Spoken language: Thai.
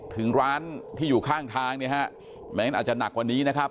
ถึงร้านที่อยู่ข้างทางเนี่ยฮะแม้งอาจจะหนักกว่านี้นะครับ